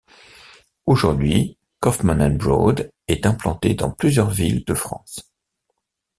Aujourd'hui, Kaufman & Broad est implanté dans plusieurs villes de France.